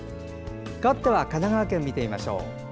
かわっては神奈川県見てみましょう。